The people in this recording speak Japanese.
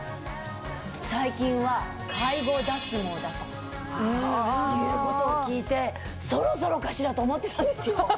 だということを聞いてそろそろかしらと思ってたんですよ。